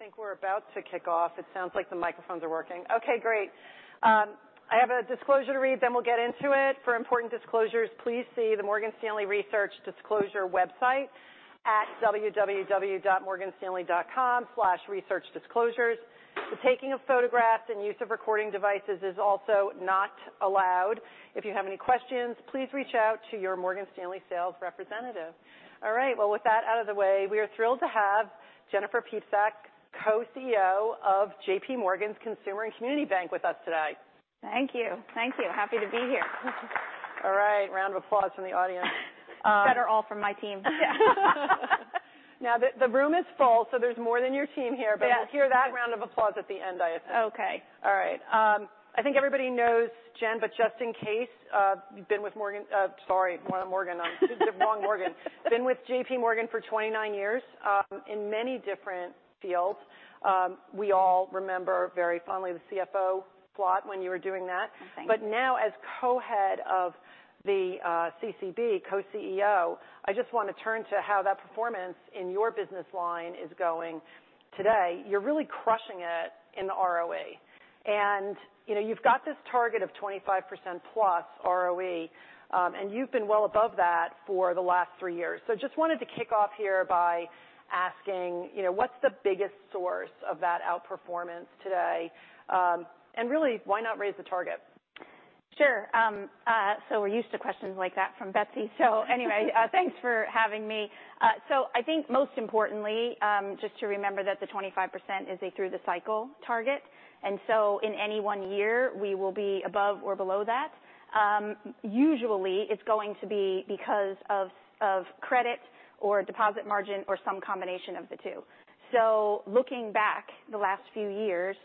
I think we're about to kick off. It sounds like the microphones are working. Okay, great. I have a disclosure to read, then we'll get into it. For important disclosures, please see the Morgan Stanley Research Disclosure website at www.morganstanley.com/researchdisclosures. The taking of photographs and use of recording devices is also not allowed. If you have any questions, please reach out to your Morgan Stanley sales representative. Well, with that out of the way, we are thrilled to have Jennifer Piepszak, Co-CEO of JPMorgan's Consumer & Community Banking, with us today. Thank you. Thank you. Happy to be here. All right, round of applause from the audience. That are all from my team. Yeah. Now, the room is full, so there's more than your team here. Yes. We'll hear that round of applause at the end, I assume. Okay. All right. I think everybody knows Jen, but just in case, you've been with Morgan, sorry, Morgan. I said the wrong Morgan. Been with JP Morgan for 29 years, in many different fields. We all remember very fondly the CFO slot when you were doing that. Thank you. Now, as co-head of the CCB, co-CEO, I just want to turn to how that performance in your business line is going today. You're really crushing it in ROE. You know, you've got this target of 25% plus ROE, and you've been well above that for the last three years. Just wanted to kick off here by asking, you know, what's the biggest source of that outperformance today? And really, why not raise the target? Sure. We're used to questions like that from Betsy. Thanks for having me. I think most importantly, just to remember that the 25% is a through-the-cycle target, in any one year, we will be above or below that. Usually, it's going to be because of credit or deposit margin or some combination of the two. Looking back the last few years,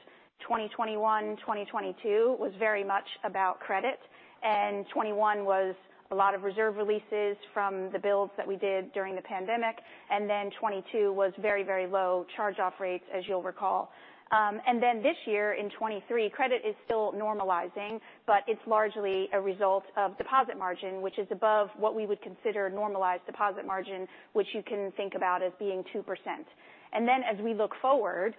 2021- 2022 was very much about credit, 2021 was a lot of reserve releases from the builds that we did during the pandemic, 2022 was very low charge-off rates, as you'll recall. This year, in 2023, credit is still normalizing, but it's largely a result of deposit margin, which is above what we would consider normalized deposit margin, which you can think about as being 0.2%. As we look forward,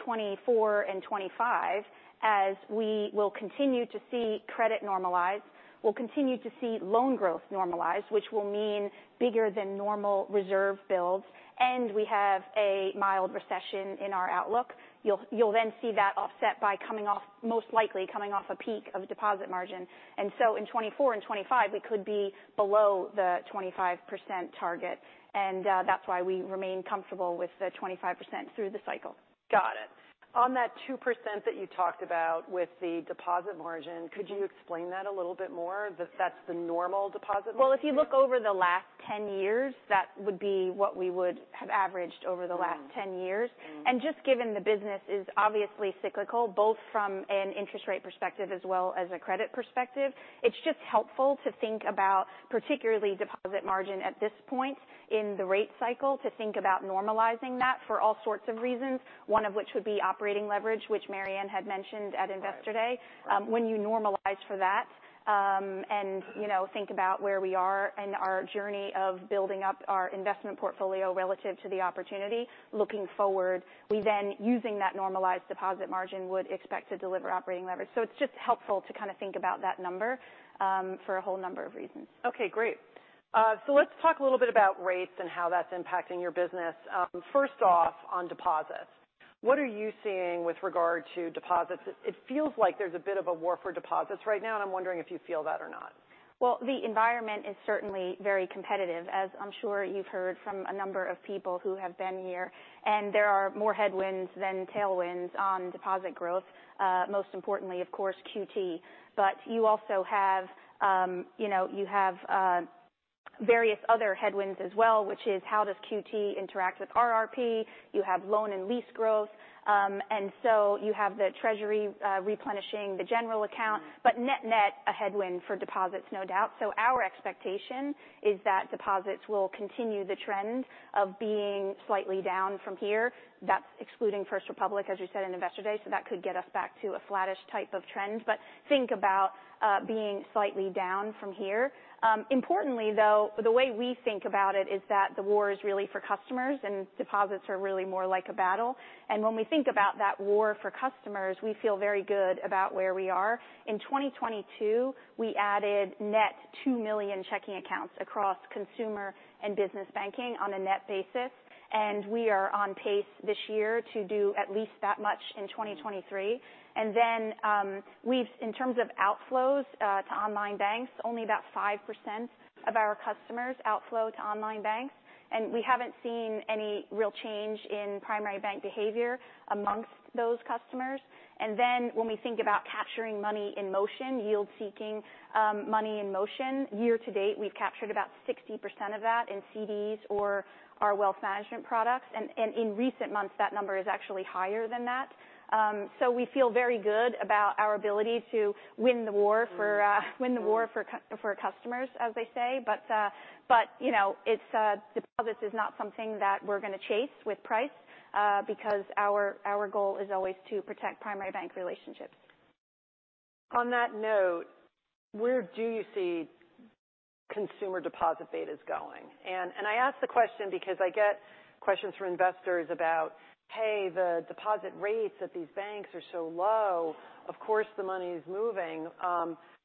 2024 - 2025, as we will continue to see credit normalize, we'll continue to see loan growth normalize, which will mean bigger than normal reserve builds, and we have a mild recession in our outlook. You'll then see that offset by coming off, most likely coming off a peak of deposit margin. In 2024 - 2025, we could be below the 25% target, and that's why we remain comfortable with the 25% through the cycle. Got it. On that 0.2% that you talked about with the deposit margin, could you explain that a little bit more, that that's the normal deposit margin? Well, if you look over the last 10 years, that would be what we would have averaged over the last 10 years. Mm-hmm. Just given the business is obviously cyclical, both from an interest rate perspective as well as a credit perspective, it's just helpful to think about, particularly deposit margin at this point in the rate cycle, to think about normalizing that for all sorts of reasons, one of which would be operating leverage, which Marianne had mentioned at Investor Day. Right. When you normalize for that, and, you know, think about where we are and our journey of building up our investment portfolio relative to the opportunity, looking forward, we then, using that normalized deposit margin, would expect to deliver operating leverage. It's just helpful to kind of think about that number, for a whole number of reasons. Okay, great. Let's talk a little bit about rates and how that's impacting your business. First off, on deposits, what are you seeing with regard to deposits? It feels like there's a bit of a war for deposits right now, and I'm wondering if you feel that or not. The environment is certainly very competitive, as I'm sure you've heard from a number of people who have been here, and there are more headwinds than tailwinds on deposit growth, most importantly, of course, QT. You also have, you know, you have various other headwinds as well, which is how does QT interact with RRP? You have loan and lease growth. You have the treasury replenishing the general account. Mm-hmm. Net-net, a headwind for deposits, no doubt. Our expectation is that deposits will continue the trend of being slightly down from here. That's excluding First Republic, as you said in Investor Day, so that could get us back to a flattish type of trend. Think about being slightly down from here. Importantly, though, the way we think about it is that the war is really for customers, and deposits are really more like a battle. When we think about that war for customers, we feel very good about where we are. In 2022, we added net 2 million checking accounts across consumer and business banking on a net basis, and we are on pace this year to do at least that much in 2023. Mm-hmm. We've, in terms of outflows to online banks, only about 5% of our customers outflow to online banks, and we haven't seen any real change in primary bank behavior amongst those customers. When we think about capturing money in motion, yield-seeking money in motion, year to date, we've captured about 60% of that in CDs or our wealth management products, and in recent months, that number is actually higher than that. We feel very good about our ability to win the war for. Mm-hmm. win the war for customers, as they say. You know, it's deposits is not something that we're gonna chase with price because our goal is always to protect primary bank relationships. On that note, where do you see consumer deposit betas going? I ask the question because I get questions from investors about, "Hey, the deposit rates at these banks are so low. Of course, the money is moving,"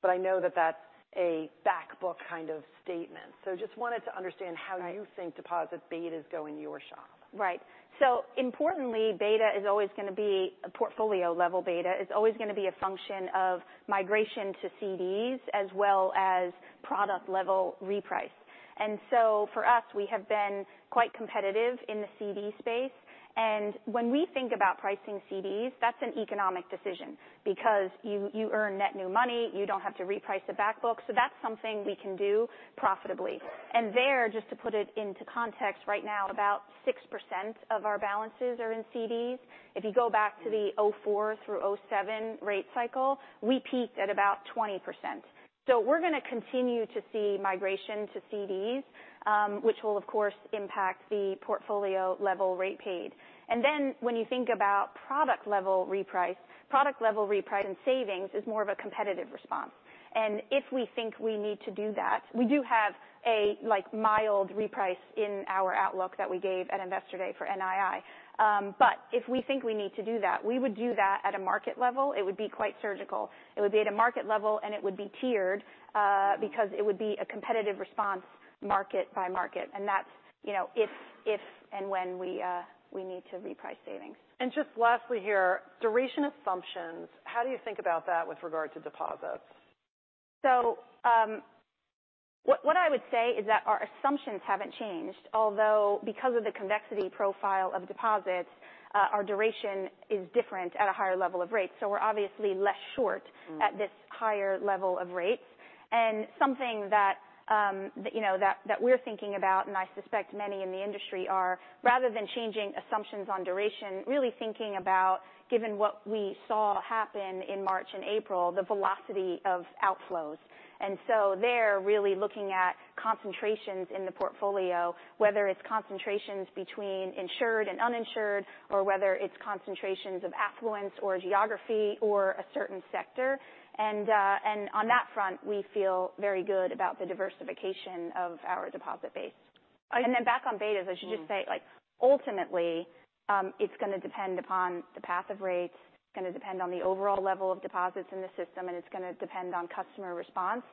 but I know that that's a back book kind of statement. Just wanted to understand how you think deposit betas go in your shop. Importantly, beta is always going to be a portfolio-level beta. It's always going to be a function of migration to CDs as well as product-level reprice. For us, we have been quite competitive in the CD space. When we think about pricing CDs, that's an economic decision because you earn net new money, you don't have to reprice the back book. That's something we can do profitably. There, just to put it into context, right now, about 6% of our balances are in CDs. If you go back to the 2004 through 2007 rate cycle, we peaked at about 20%. We're going to continue to see migration to CDs, which will, of course, impact the portfolio-level rate paid. When you think about product-level reprice, product-level reprice and savings is more of a competitive response. If we think we need to do that, we do have a, like, mild reprice in our outlook that we gave at Investor Day for NII. If we think we need to do that, we would do that at a market level. It would be quite surgical. It would be at a market level, and it would be tiered because it would be a competitive response market by market, and that's, you know, if and when we need to reprice savings. Just lastly here, duration assumptions, how do you think about that with regard to deposits? What I would say is that our assumptions haven't changed, although because of the convexity profile of deposits, our duration is different at a higher level of rates, so we're obviously less short at this higher level of rates. Something that, you know, we're thinking about, and I suspect many in the industry are, rather than changing assumptions on duration, really thinking about, given what we saw happen in March and April, the velocity of outflows. There, really looking at concentrations in the portfolio, whether it's concentrations between insured and uninsured, or whether it's concentrations of affluence or geography or a certain sector. On that front, we feel very good about the diversification of our deposit base. Back on betas, I should just say, like, ultimately, it's going to depend upon the path of rates. It's going to depend on the overall level of deposits in the system, and it's going to depend on customer response.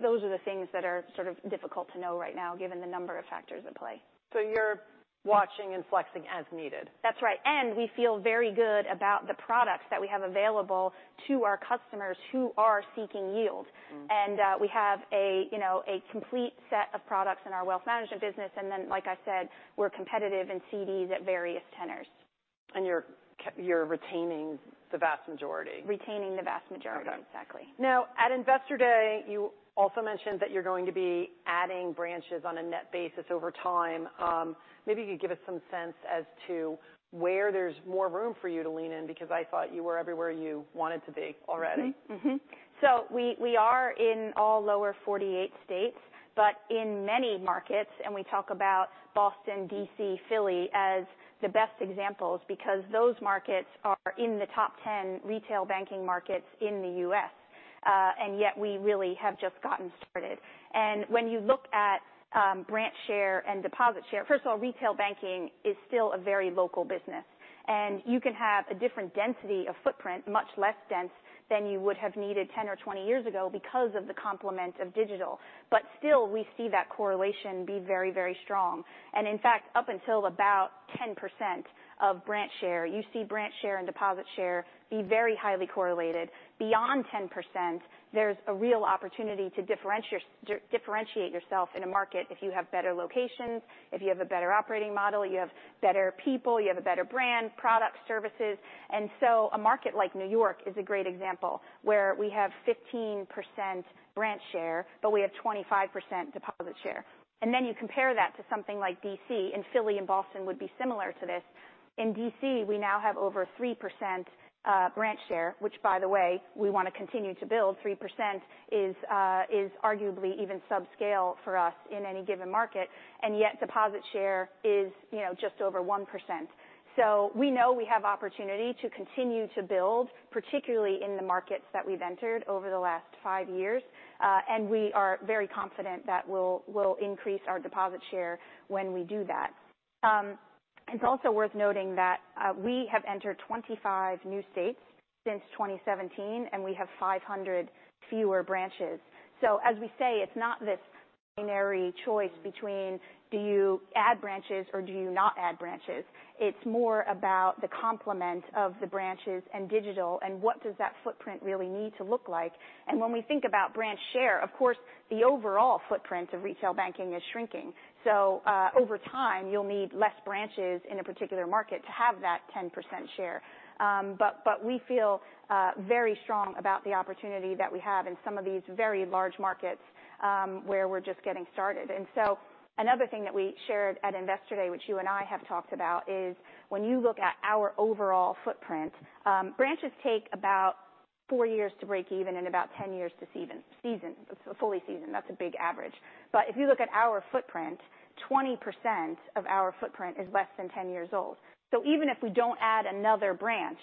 Those are the things that are sort of difficult to know right now, given the number of factors at play. You're watching and flexing as needed? That's right. We feel very good about the products that we have available to our customers who are seeking yield. Mm-hmm. We have a, you know, a complete set of products in our wealth management business, and then, like I said, we're competitive in CDs at various tenors. You're retaining the vast majority? Retaining the vast majority. Okay. Exactly. At Investor Day, you also mentioned that you're going to be adding branches on a net basis over time. Maybe you could give us some sense as to where there's more room for you to lean in, because I thought you were everywhere you wanted to be already? Mm-hmm. Mm-hmm. We are in all lower 48 states, but in many markets, we talk about Boston, D.C., Philly, as the best examples, because those markets are in the top 10 retail banking markets in the U.S., yet we really have just gotten started. When you look at branch share and deposit share... First of all, retail banking is still a very local business, you can have a different density of footprint, much less dense than you would have needed 10 or 20 years ago because of the complement of digital. Still, we see that correlation be very, very strong. In fact, up until about 10% of branch share, you see branch share and deposit share be very highly correlated. Beyond 10%, there's a real opportunity to differentiate yourself in a market if you have better locations, if you have a better operating model, you have better people, you have a better brand, product, services. A market like New York is a great example, where we have 15% branch share, but we have 25% deposit share. You compare that to something like D.C., and Philly and Boston would be similar to this. In D.C., we now have over 3% branch share, which, by the way, we want to continue to build. 3% is arguably even subscale for us in any given market, and yet deposit share is, you know, just over 0.1%. We know we have opportunity to continue to build, particularly in the markets that we've entered over the last 5 years, and we are very confident that we'll increase our deposit share when we do that. It's also worth noting that we have entered 25 new states since 2017, and we have 500 fewer branches. As we say, it's not this binary choice between do you add branches or do you not add branches? It's more about the complement of the branches and digital and what does that footprint really need to look like. When we think about branch share, of course, the overall footprint of retail banking is shrinking. Over time, you'll need less branches in a particular market to have that 10% share. We feel very strong about the opportunity that we have in some of these very large markets, where we're just getting started. Another thing that we shared at Investor Day, which you and I have talked about, is when you look at our overall footprint, branches take about 4 years to break even and about 10 years to fully season. That's a big average. If you look at our footprint, 20% of our footprint is less than 10 years old. Even if we don't add another branch,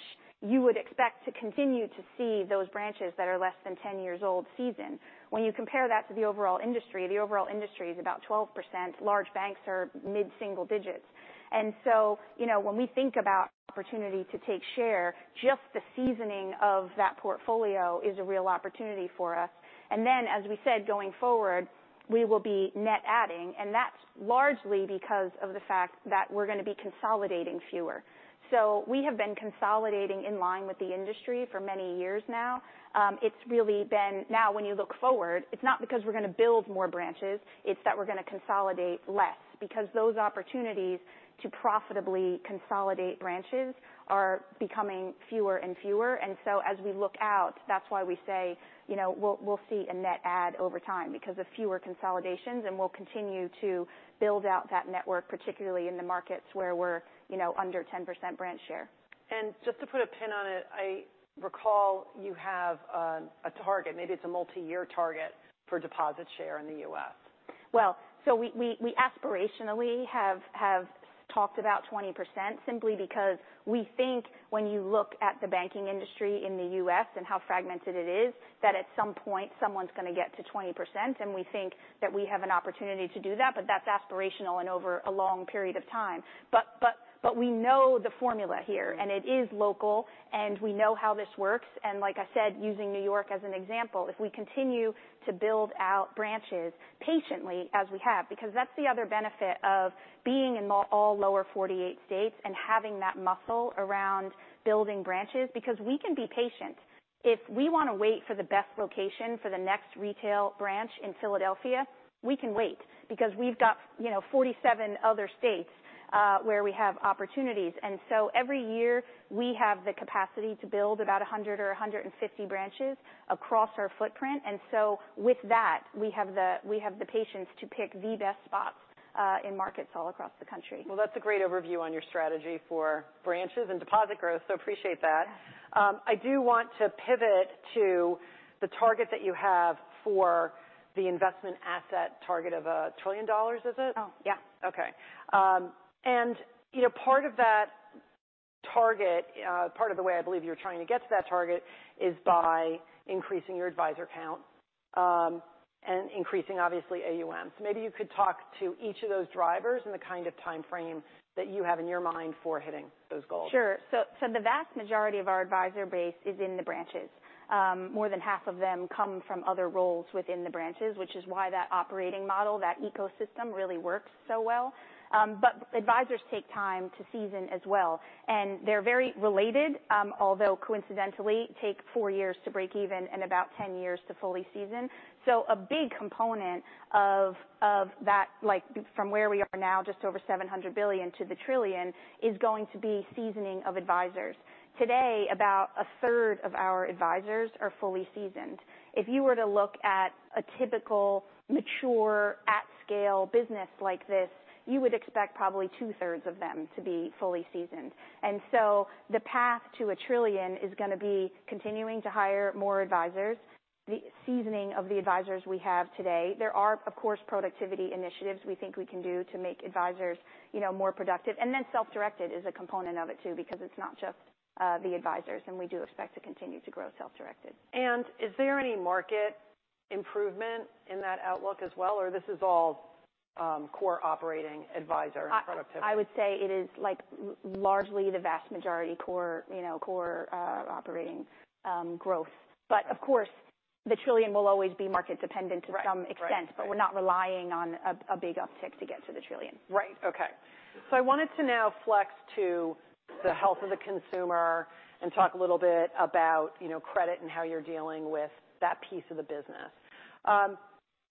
you would expect to continue to see those branches that are less than 10 years old season. When you compare that to the overall industry, the overall industry is about 12%. Large banks are mid-single digits. You know, when we think about opportunity to take share, just the seasoning of that portfolio is a real opportunity for us. As we said, going forward, we will be net adding, and that's largely because of the fact that we're going to be consolidating fewer. We have been consolidating in line with the industry for many years now. Now, when you look forward, it's not because we're going to build more branches, it's that we're going to consolidate less, because those opportunities to profitably consolidate branches are becoming fewer and fewer. As we look out, that's why we say, you know, we'll see a net add over time because of fewer consolidations, and we'll continue to build out that network, particularly in the markets where we're, you know, under 10% branch share. Just to put a pin on it, I recall you have a target, maybe it's a multi-year target, for deposit share in the U.S. Well, we aspirational have talked about 20% simply because we think when you look at the banking industry in the US and how fragmented it is, that at some point someone's going to get to 20%, and we think that we have an opportunity to do that, but that's aspirational and over a long period of time. We know the formula here, and it is local, and we know how this works. Like I said, using New York as an example, if we continue to build out branches patiently as we have, because that's the other benefit of being in all lower 48 states and having that muscle around building branches, because we can be patient. If we want to wait for the best location for the next retail branch in Philadelphia, we can wait because we've got, you know, 47 other states where we have opportunities. Every year, we have the capacity to build about 100 - 150 branches across our footprint. With that, we have the patience to pick the best spots in markets all across the country. That's a great overview on your strategy for branches and deposit growth, so appreciate that. I do want to pivot to the target that you have for the investment asset target of $1 trillion, is it? Oh, yeah. Okay. You know, part of that target, part of the way I believe you're trying to get to that target is by increasing your advisor count, and increasing, obviously AUM. Maybe you could talk to each of those drivers and the kind of time frame that you have in your mind for hitting those goals. Sure. The vast majority of our advisor base is in the branches. More than half of them come from other roles within the branches, which is why that operating model, that ecosystem, really works so well. But advisors take time to season as well, and they're very related, although coincidentally, take four years to break even and about 10 years to fully season. A big component of that, like from where we are now, just over $700 billion to $1 trillion, is going to be seasoning of advisors. Today, about a third of our advisors are fully seasoned. If you were to look at a typical mature, at-scale business like this, you would expect probably two-thirds of them to be fully seasoned. The path to $1 trillion is going to be continuing to hire more advisors, the seasoning of the advisors we have today. There are, of course, productivity initiatives we think we can do to make advisors, you know, more productive. Self-directed is a component of it, too, because it's not just the advisors, and we do expect to continue to grow self-directed. Is there any market improvement in that outlook as well, or this is all, core operating advisor productivity? I would say it is like largely the vast majority core, you know, core, operating, growth. Of course, the trillion will always be market-dependent to some extent. Right. We're not relying on a big uptick to get to the trillion. Right. Okay. I wanted to now flex to the health of the consumer and talk a little bit about, you know, credit and how you're dealing with that piece of the business.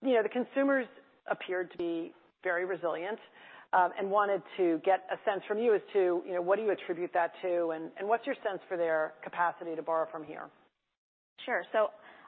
You know, the consumers appeared to be very resilient, and wanted to get a sense from you as to, you know, what do you attribute that to, and what's your sense for their capacity to borrow from here? Sure.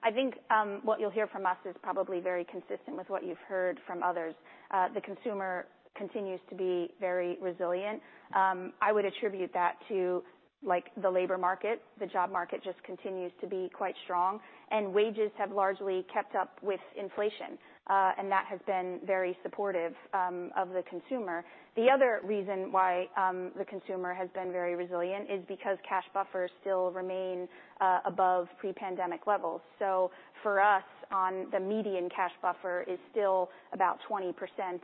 I think what you'll hear from us is probably very consistent with what you've heard from others. The consumer continues to be very resilient. I would attribute that to, like, the labor market. The job market just continues to be quite strong, and wages have largely kept up with inflation, and that has been very supportive of the consumer. The other reason why the consumer has been very resilient is because cash buffers still remain above pre-pandemic levels. For us, on the median cash buffer is still about 20%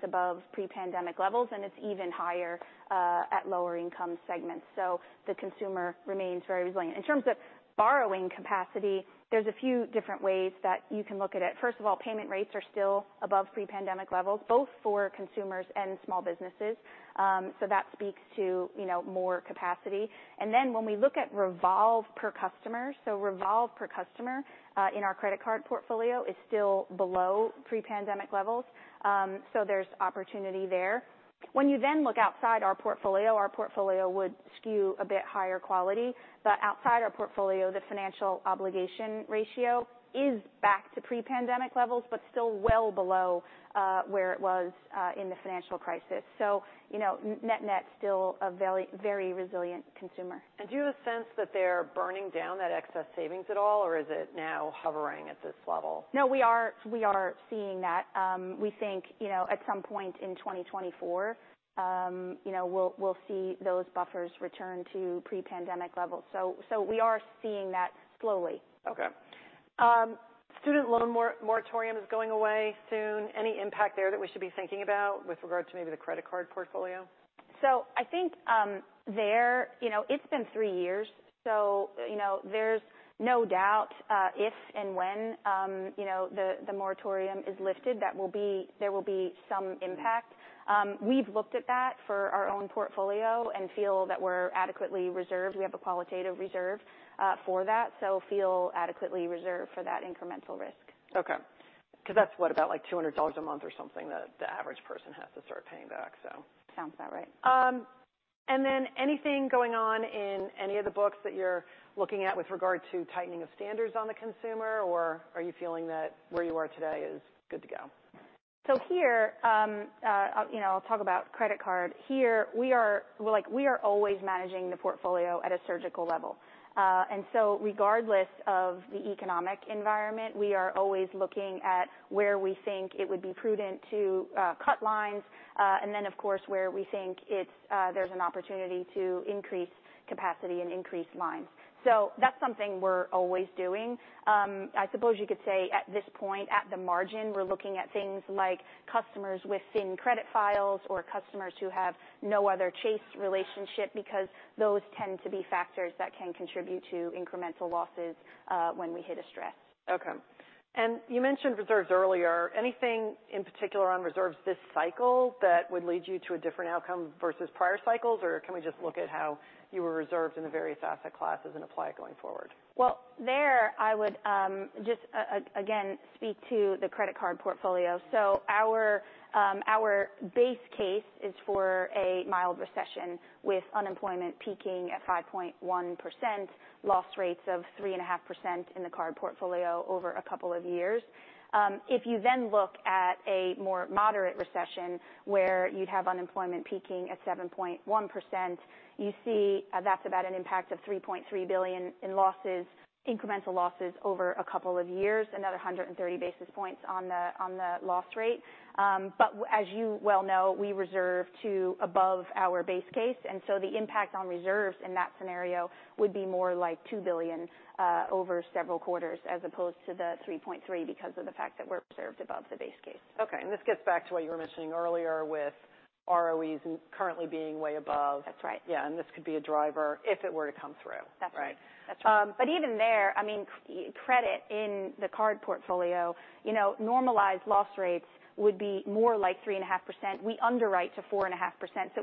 above pre-pandemic levels, and it's even higher at lower income segments. The consumer remains very resilient. In terms of borrowing capacity, there's a few different ways that you can look at it. First of all, payment rates are still above pre-pandemic levels, both for consumers and small businesses. That speaks to, you know, more capacity. When we look at revolve per customer, in our credit card portfolio is still below pre-pandemic levels, there's opportunity there. When you look outside our portfolio, our portfolio would skew a bit higher quality. Outside our portfolio, the Financial Obligations Ratio is back to pre-pandemic levels, but still well below, where it was, in the financial crisis. You know, net-net, still a very, very resilient consumer. Do you have a sense that they're burning down that excess savings at all, or is it now hovering at this level? No, we are seeing that. We think, you know, at some point in 2024, you know, we'll see those buffers return to pre-pandemic levels. We are seeing that slowly. Okay. student loan moratorium is going away soon. Any impact there that we should be thinking about with regard to maybe the credit card portfolio? I think, you know, it's been three years, so, you know, there's no doubt, if and when, you know, the moratorium is lifted, there will be some impact. We've looked at that for our own portfolio and feel that we're adequately reserved. We have a qualitative reserve for that, so feel adequately reserved for that incremental risk. because that's, what? About, like, $200 a month or something that the average person has to start paying back. Sounds about right. Anything going on in any of the books that you're looking at with regard to tightening of standards on the consumer, or are you feeling that where you are today is good to go? Here, you know, I'll talk about credit card. Here, we are, like, we are always managing the portfolio at a surgical level. Regardless of the economic environment, we are always looking at where we think it would be prudent to cut lines, and then, of course, where we think it's there's an opportunity to increase capacity and increase lines. That's something we're always doing. I suppose you could say at this point, at the margin, we're looking at things like customers with thin credit files or customers who have no other Chase relationship, because those tend to be factors that can contribute to incremental losses when we hit a stress. Okay. You mentioned reserves earlier. Anything in particular on reserves this cycle that would lead you to a different outcome versus prior cycles? Or can we just look at how you were reserved in the various asset classes and apply it going forward? Well, there I would just speak to the credit card portfolio. Our base case is for a mild recession with unemployment peaking at 5.1%, loss rates of 3.5% in the card portfolio over a couple of years. If you then look at a more moderate recession, where you'd have unemployment peaking at 7.1%, you see, that's about an impact of $3.3 billion in losses, incremental losses over a couple of years, another 130 basis points on the loss rate. As you well know, we reserve to above our base case, and so the impact on reserves in that scenario would be more like $2 billion, over several quarters, as opposed to the $3.3 billion, because of the fact that we're reserved above the base case. Okay, this gets back to what you were mentioning earlier with ROE currently being way above. That's right. Yeah, this could be a driver if it were to come through. That's right. Right. That's right. Even there, I mean, credit in the card portfolio, you know, normalized loss rates would be more like 3.5%. We underwrite to 4.5%.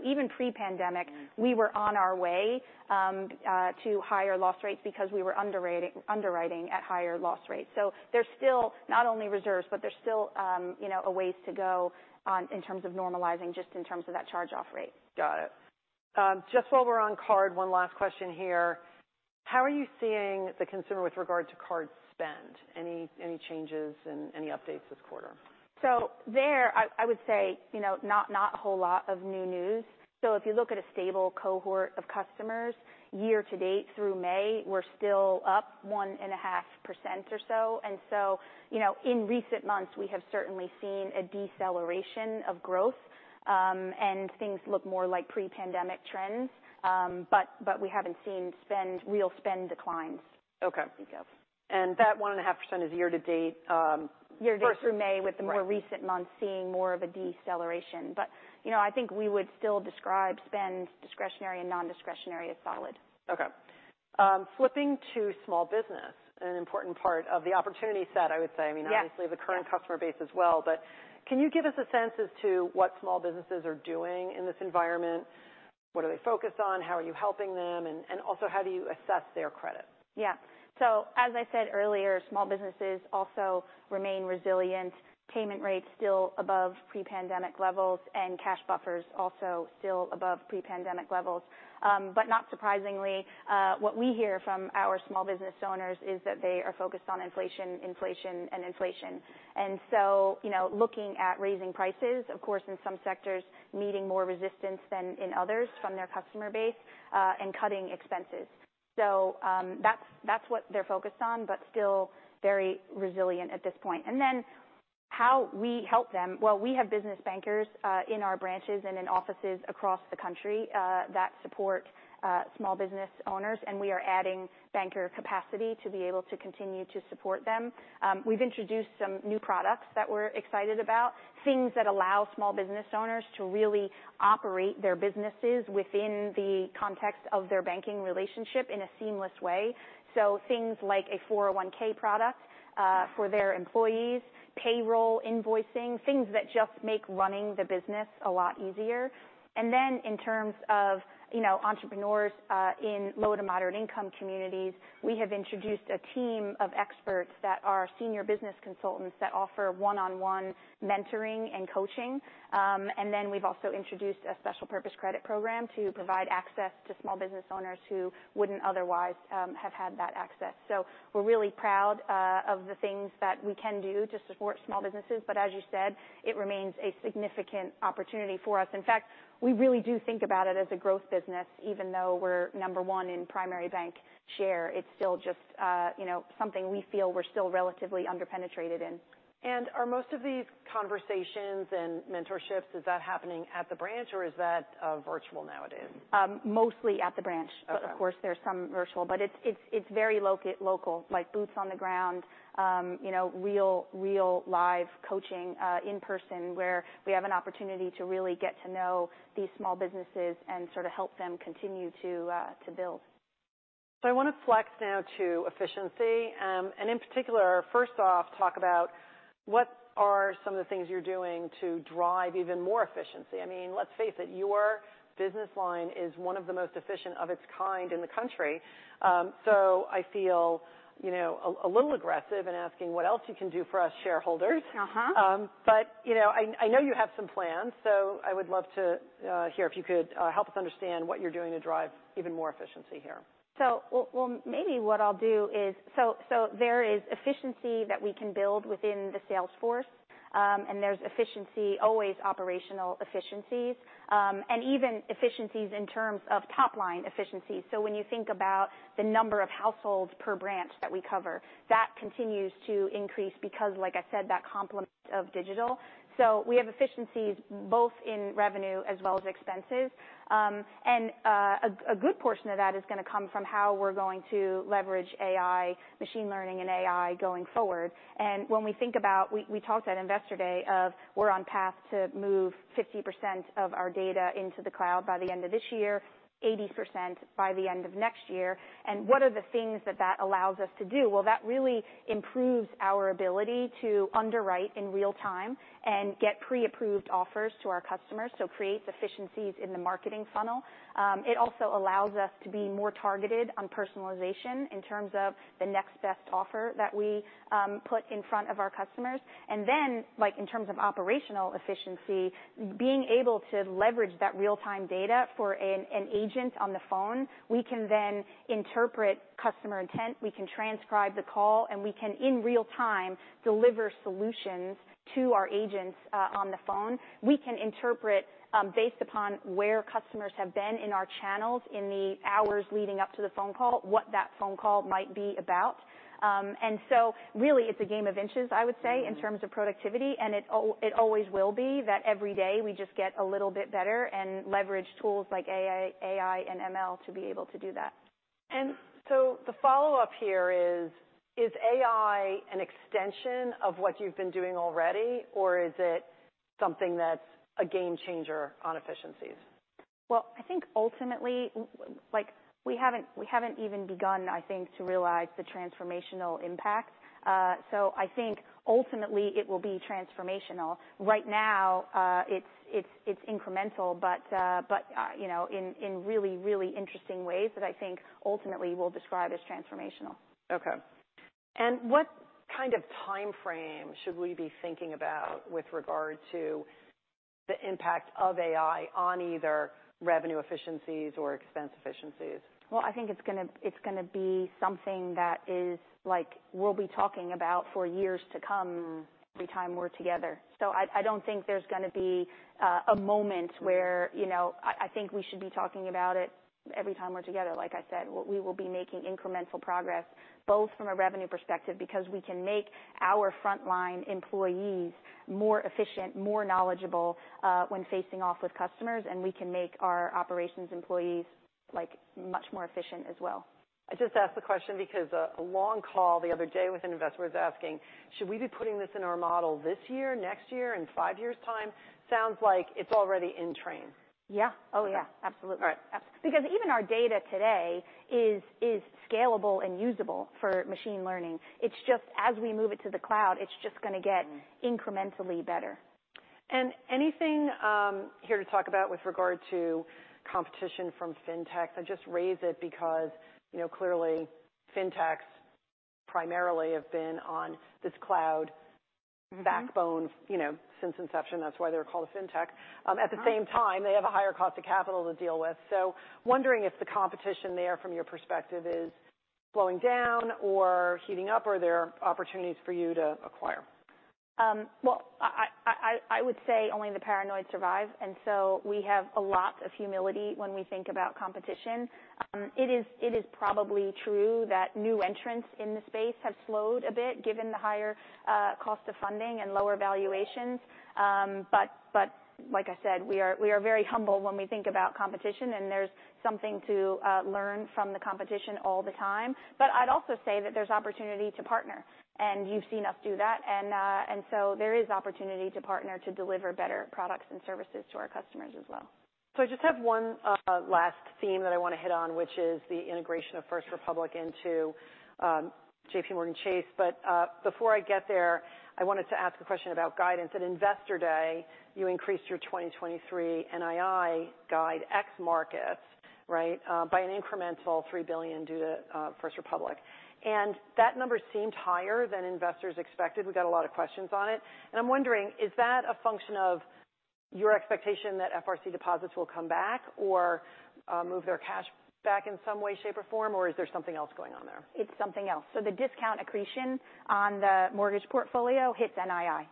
Even pre-pandemic, we were on our way to higher loss rates because we were underwriting at higher loss rates. There's still not only reserves, but there's still, you know, a ways to go on, in terms of normalizing, just in terms of that charge-off rate. Got it. Just while we're on card, one last question here: How are you seeing the consumer with regard to card spend? Any changes and any updates this quarter? There, I would say, you know, not a whole lot of new news. If you look at a stable cohort of customers, year to date through May, we're still up 1.5% or so. You know, in recent months, we have certainly seen a deceleration of growth, and things look more like pre-pandemic trends. We haven't seen real spend declines. Okay. Yeah. And that one and a half percent is year to date, um- Year to date through May, with the more recent months seeing more of a deceleration. You know, I think we would still describe spend, discretionary and non-discretionary, as solid. Flipping to small business, an important part of the opportunity set, I would say. Yes. I mean, obviously, the current customer base as well. Can you give us a sense as to what small businesses are doing in this environment? What are they focused on? How are you helping them? Also, how do you assess their credit? Yeah. As I said earlier, small businesses also remain resilient. Payment rates still above pre-pandemic levels, cash buffers also still above pre-pandemic levels. Not surprisingly, what we hear from our small business owners is that they are focused on inflation, and inflation. You know, looking at raising prices, of course, in some sectors, meeting more resistance than in others from their customer base, cutting expenses. That's what they're focused on, but still very resilient at this point. How we help them? Well, we have business bankers in our branches and in offices across the country that support small business owners, we are adding banker capacity to be able to continue to support them. We've introduced some new products that we're excited about, things that allow small business owners to really operate their businesses within the context of their banking relationship in a seamless way. Things like a 401(k) product for their employees, payroll invoicing, things that just make running the business a lot easier. In terms of, you know, entrepreneurs in low to moderate income communities, we have introduced a team of experts that are senior business consultants that offer one-on-one mentoring and coaching. We've also introduced a Special Purpose Credit Program to provide access to small business owners who wouldn't otherwise have had that access. We're really proud of the things that we can do to support small businesses, but as you said, it remains a significant opportunity for us. In fact, we really do think about it as a growth business, even though we're number one in primary bank share. It's still just, you know, something we feel we're still relatively under-penetrated in. Are most of these conversations and mentorships, is that happening at the branch, or is that virtual nowadays? Mostly at the branch. Okay. Of course, there's some virtual, it's very local, like boots on the ground, you know, real live coaching, in person where we have an opportunity to really get to know these small businesses and sort of help them continue to build. I want to flex now to efficiency, and in particular, first off, talk about what are some of the things you're doing to drive even more efficiency? I mean, let's face it, your business line is one of the most efficient of its kind in the country. I feel, you know, a little aggressive in asking what else you can do for us shareholders. Uh-huh. You know, I know you have some plans, so I would love to hear if you could help us understand what you're doing to drive even more efficiency here. Maybe what I'll do is. There is efficiency that we can build within the sales force, and there's efficiency, always operational efficiencies, and even efficiencies in terms of top-line efficiency. When you think about the number of households per branch that we cover, that continues to increase because like I said, that complement of digital. We have efficiencies both in revenue as well as expenses. And a good portion of that is going to come from how we're going to leverage AI, machine learning and AI going forward. When we think about. We talked at Investor Day of we're on path to move 50% of our data into the cloud by the end of this year, 80% by the end of next year. What are the things that that allows us to do? Well, that really improves our ability to underwrite in real time and get pre-approved offers to our customers, so creates efficiencies in the marketing funnel. It also allows us to be more targeted on personalization in terms of the next best offer that we put in front of our customers. Like, in terms of operational efficiency, being able to leverage that real-time data for an agent on the phone, we can then interpret customer intent, we can transcribe the call, and we can, in real time, deliver solutions to our agents on the phone. We can interpret, based upon where customers have been in our channels in the hours leading up to the phone call, what that phone call might be about. Really, it's a game of inches, I would say, in terms of productivity, and it always will be that every day we just get a little bit better and leverage tools like AI and ML to be able to do that. The follow-up here is AI an extension of what you've been doing already, or is it something that's a game changer on efficiencies? Well, I think ultimately, like, we haven't even begun, I think, to realize the transformational impact. I think ultimately it will be transformational. Right now, it's incremental, but, you know, in really interesting ways that I think ultimately we'll describe as transformational. Okay. What kind of time frame should we be thinking about with regard to the impact of AI on either revenue efficiencies or expense efficiencies? Well, I think it's going to be something that is, like, we'll be talking about for years to come every time we're together. I don't think there's going to be a moment where, you know. I think we should be talking about it every time we're together. Like I said, we will be making incremental progress, both from a revenue perspective, because we can make our frontline employees more efficient, more knowledgeable, when facing off with customers, and we can make our operations employees, like, much more efficient as well. I just asked the question because a long call the other day with an investor was asking: Should we be putting this in our model this year, next year, in five years time? Sounds like it's already in train. Yeah. Oh, yeah, absolutely. All right. Even our data today is scalable and usable for machine learning. It's just as we move it to the cloud, it's just going to get incrementally better. Anything here to talk about with regard to competition from Fintech? I just raise it because, you know, clearly, Fintechs primarily have been on this cloud backbone. Mm-hmm... you know, since inception. That's why they're called a Fintech. Right. At the same time, they have a higher cost of capital to deal with. Wondering if the competition there, from your perspective, is slowing down or heating up, or are there opportunities for you to acquire? ... well, I would say only the paranoid survive, and so we have a lot of humility when we think about competition. It is probably true that new entrants in the space have slowed a bit, given the higher cost of funding and lower valuations. But like I said, we are very humble when we think about competition, and there's something to learn from the competition all the time. I'd also say that there's opportunity to partner, and you've seen us do that. So there is opportunity to partner to deliver better products and services to our customers as well. I just have one last theme that I wanna hit on, which is the integration of First Republic into JPMorgan Chase. Before I get there, I wanted to ask a question about guidance. At Investor Day, you increased your 2023 NII guide ex markets, right, by an incremental $3 billion due to First Republic. That number seemed higher than investors expected. We got a lot of questions on it, and I'm wondering, is that a function of your expectation that FRC deposits will come back or move their cash back in some way, shape, or form, or is there something else going on there? It's something else. The discount accretion on the mortgage portfolio hits NII.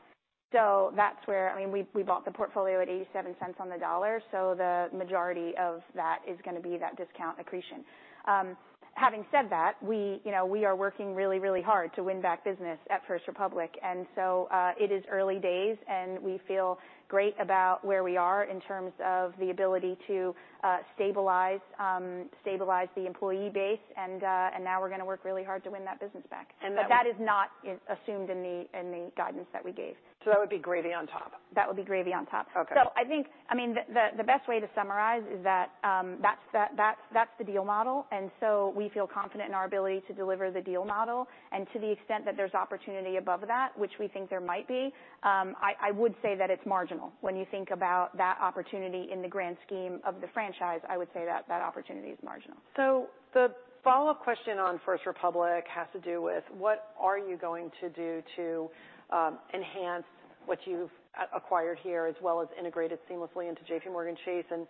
I mean, we bought the portfolio at $0.87 on the dollar, so the majority of that is gonna be that discount accretion. Having said that, we, you know, we are working really, really hard to win back business at First Republic, and so it is early days, and we feel great about where we are in terms of the ability to stabilize the employee base, and now we're gonna work really hard to win that business back. And the- That is not assumed in the guidance that we gave. That would be gravy on top? That would be gravy on top. Okay. I think, I mean, the best way to summarize is that's the deal model, and so we feel confident in our ability to deliver the deal model. To the extent that there's opportunity above that, which we think there might be, I would say that it's marginal. When you think about that opportunity in the grand scheme of the franchise, I would say that opportunity is marginal. The follow-up question on First Republic has to do with what are you going to do to enhance what you've acquired here, as well as integrated seamlessly into JPMorgan Chase, and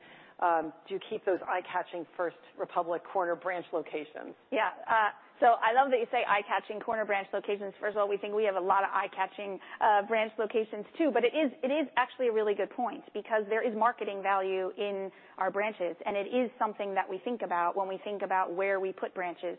do you keep those eye-catching First Republic corner branch locations? Yeah. I love that you say eye-catching corner branch locations. First of all, we think we have a lot of eye-catching branch locations, too. It is actually a really good point because there is marketing value in our branches, and it is something that we think about when we think about where we put branches.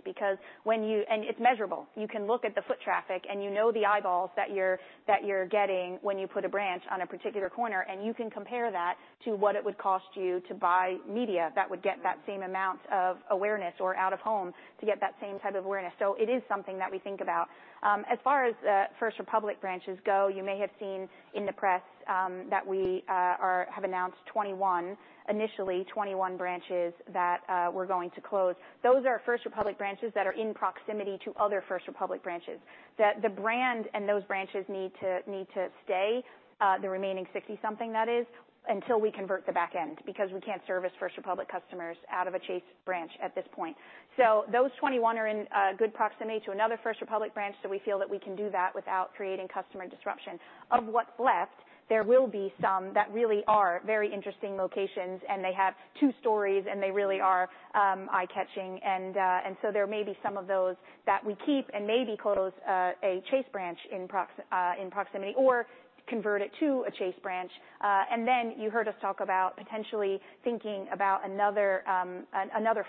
It's measurable. You can look at the foot traffic, and you know the eyeballs that you're getting when you put a branch on a particular corner, and you can compare that to what it would cost you to buy media that would get that same amount of awareness or out of home to get that same type of awareness. It is something that we think about. As far as First Republic branches go, you may have seen in the press that we have announced 21, initially 21 branches that we're going to close. Those are First Republic branches that are in proximity to other First Republic branches. The brand and those branches need to stay, the remaining 60-something that is, until we convert the back end, because we can't service First Republic customers out of a Chase branch at this point. Those 21 are in good proximity to another First Republic branch, so we feel that we can do that without creating customer disruption. Of what's left, there will be some that really are very interesting locations, and they have two stories, and they really are eye-catching. There may be some of those that we keep and maybe close a Chase branch in proximity or convert it to a Chase branch. You heard us talk about potentially thinking about another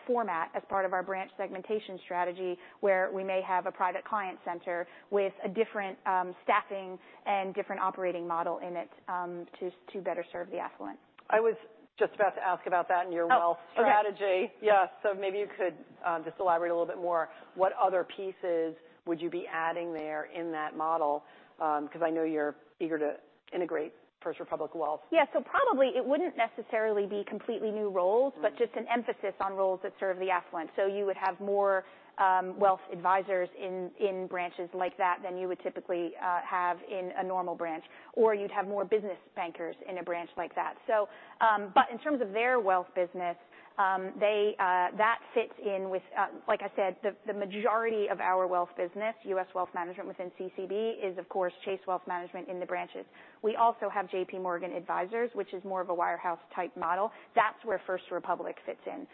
format as part of our branch segmentation strategy, where we may have a Private Client Center with a different staffing and different operating model in it to better serve the affluent. I was just about to ask about that and your. Oh, sure. wealth strategy. Yes. Maybe you could just elaborate a little bit more. What other pieces would you be adding there in that model? I know you're eager to integrate First Republic Wealth. Yeah. probably it wouldn't necessarily be completely new roles- Mm. Just an emphasis on roles that serve the affluent. You would have more wealth advisors in branches like that than you would typically have in a normal branch, or you'd have more business bankers in a branch like that. But in terms of their wealth business, they that fits in with. Like I said, the majority of our wealth business, U.S. Wealth Management within CCB, is, of course, Chase Wealth Management in the branches. We also have J.P. Morgan Advisors, which is more of a wirehouse-type model. That's where First Republic fits in.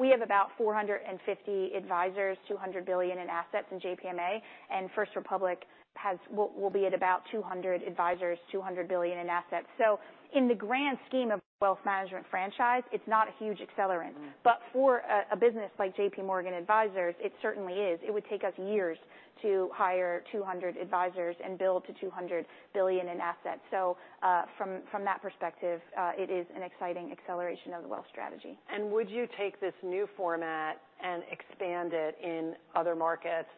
We have about 450 advisors, $200 billion in assets in JPMA, and First Republic will be at about 200 advisors, $200 billion in assets. In the grand scheme of wealth management franchise, it's not a huge accelerant. Mm. For a business like JPMorgan Advisors, it certainly is. It would take us years to hire 200 advisors and build to $200 billion in assets. From that perspective, it is an exciting acceleration of the wealth strategy. Would you take this new format and expand it in other markets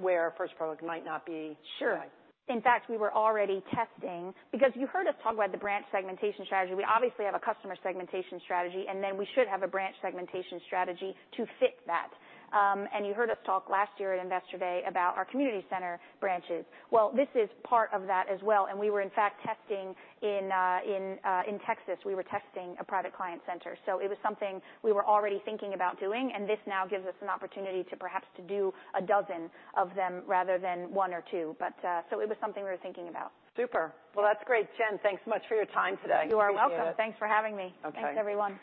where First Republic might not be? Sure. In fact, we were already testing, because you heard us talk about the branch segmentation strategy. We obviously have a customer segmentation strategy, and then we should have a branch segmentation strategy to fit that. You heard us talk last year at Investor Day about our Community Center branches. Well, this is part of that as well, and we were in fact testing in Texas, we were testing a Private Client Center. It was something we were already thinking about doing, and this now gives us an opportunity to perhaps to do 12 of them rather than one or two. It was something we were thinking about. Super. Well, that's great. Jen, thanks so much for your time today. You are welcome. Appreciate it. Thanks for having me. Okay. Thanks, everyone.